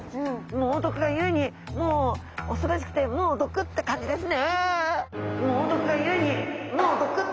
猛毒がゆえにもう恐ろしくてもうどくって感じですね。